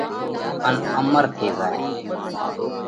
ان امر ٿي زائه۔